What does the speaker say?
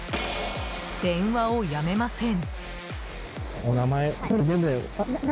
電話をやめません。